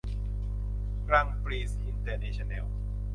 กรังด์ปรีซ์ อินเตอร์เนชั่นแนล